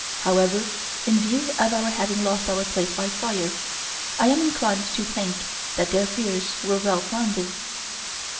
However, in view of our having lost our place by fire, I am inclined to think that their fears were well founded.